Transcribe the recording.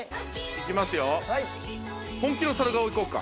行きますよ。